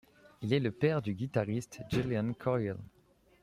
Il est le père du guitariste Julian Coryell.